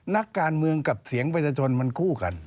นักการเมืองกับเสียงประชาชนมันคู่กัน